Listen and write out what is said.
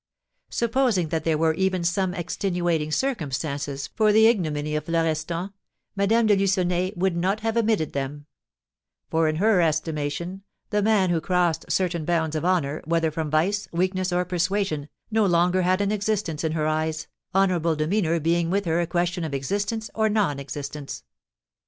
Supposing that there were even some extenuating circumstances for the ignominy of Florestan, Madame de Lucenay would not have admitted them; for, in her estimation, the man who crossed certain bounds of honour, whether from vice, weakness, or persuasion, no longer had an existence in her eyes, honourable demeanour being with her a question of existence or non existence.